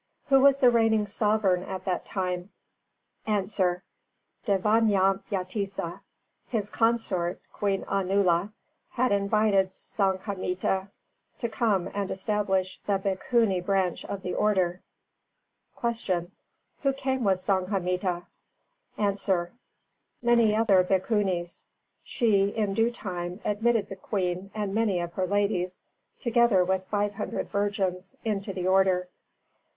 Who was the reigning sovereign at that time? A. Dēvanampiyatissa. His consort, Queen Anula, had invited Sanghamitta to come and establish the Bhikkhuni branch of the Order. 301. Q. Who came with Sanghamitta? A. Many other Bhikkhunis. She, in due time, admitted the Queen and many of her ladies, together with five hundred virgins, into the Order.